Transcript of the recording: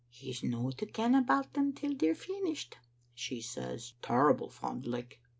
"*He's no to ken about them till they're finished, ' she says, terrible fond like.